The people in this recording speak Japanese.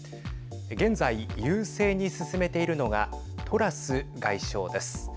現在、優勢に進めているのがトラス外相です。